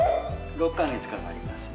６か月かかります。